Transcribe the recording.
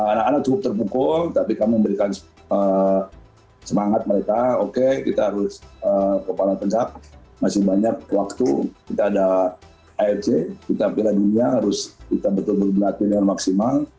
anak anak cukup terpukul tapi kami memberikan semangat mereka oke kita harus kepala tentak masih banyak waktu kita ada afc kita piala dunia harus kita betul betul berlatih dengan maksimal